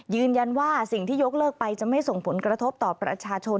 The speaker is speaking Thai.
ยืนยันว่าสิ่งที่ยกเลิกไปจะไม่ส่งผลกระทบต่อประชาชน